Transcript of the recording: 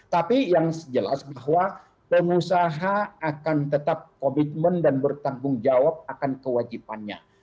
tapi yang jelas bahwa pengusaha akan tetap komitmen dan bertanggung jawab akan kewajibannya